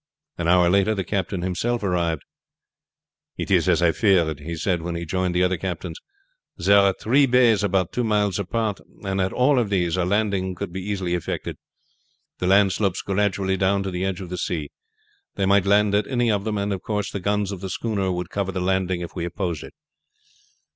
An hour later the captain himself arrived. "It is as I feared," he said when he joined the other captains; "there are three bays about two miles apart and at all of these a landing could be easily effected. The land slopes gradually down to the edge of the sea. They might land at any of them, and of course the guns of the schooner would cover the landing if we opposed it."